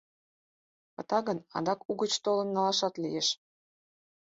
Пыта гын, адак угыч толын налашат лиеш.